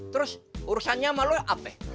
terus urusannya sama lo apa be